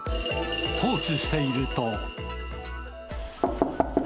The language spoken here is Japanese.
放置していると。